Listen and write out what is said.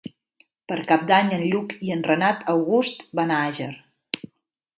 Per Cap d'Any en Lluc i en Renat August van a Àger.